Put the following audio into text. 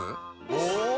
お！